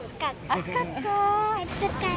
暑かった。